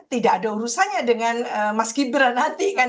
tidak ada urusannya dengan mas gibran nanti kan